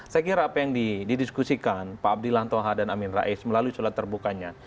saya kira apa yang didiskusikan pak abdilan toha dan amin rais melalui sholat terbukanya